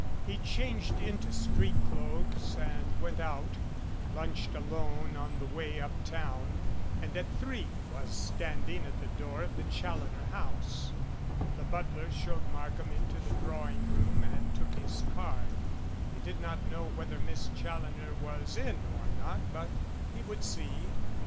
He changed into street clothes and went out, lunched alone on the way uptown and at three was standing at the door of the Challoner house. The butler showed Markham into the drawing room and took his card. He did not know whether Miss Chal loner was in or not, but he would see.